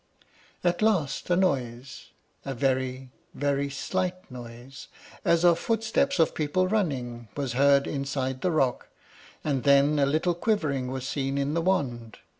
At last a noise, a very, very slight noise, as of the footsteps of people running, was heard inside the rock, and then a little quivering was seen in the wand.